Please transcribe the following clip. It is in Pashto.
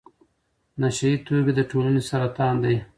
نشه يي توکي د ټولنې سرطان دی.